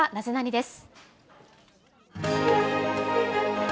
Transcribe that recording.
です。